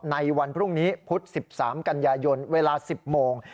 ในวันพรุ่งนี้พุธ๑๓กันยายนเวลา๑๐โมง